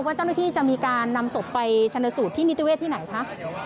เจ้าหน้าที่จะมีการนำศพไปชนสูตรที่นิติเวศที่ไหนคะ